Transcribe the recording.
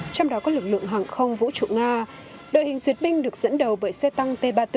trong đó có lực lượng hàng không vũ trụ nga đội hình duyệt binh được dẫn đầu bởi xe tăng t ba mươi bốn